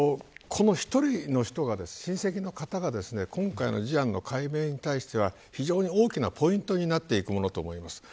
この１人の親戚の方が今回の事案の解明に対して非常に大きなポイントになっていくものとみられます。